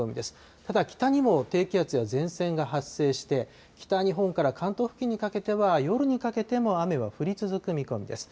ただ北にも低気圧や前線が発生して、北日本から関東付近にかけては夜にかけても雨は降り続く見込みです。